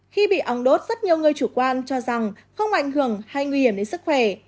khi bị ong đốt rất nhiều người chủ quan cho rằng không ảnh hưởng hay nguy hiểm đến sức khỏe